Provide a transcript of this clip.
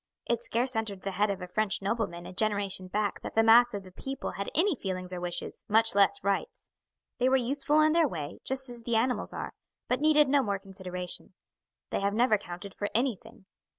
It scarce entered the head of a French nobleman a generation back that the mass of the people had any feelings or wishes, much less rights. They were useful in their way, just as the animals are, but needed no more consideration. They have never counted for anything.